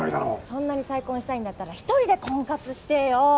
そんなに再婚したいんだったら一人で婚活してよ